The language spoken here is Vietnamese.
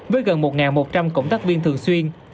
với gần một một trăm linh cộng tác viên thường xuyên